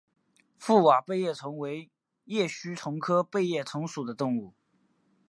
覆瓦背叶虫为叶须虫科背叶虫属的动物。